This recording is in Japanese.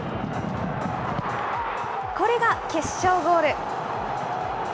これが決勝ゴール。